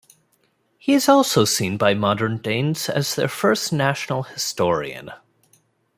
He is also seen by modern Danes as their first national historian.